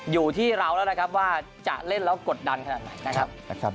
อยู่ที่เราแล้วนะครับว่าจะเล่นแล้วกดดันขนาดไหนนะครับ